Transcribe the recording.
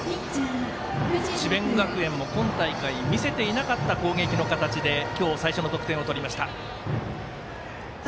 智弁学園も今大会見せていなかった攻撃の形で今日、最初の得点を取りました。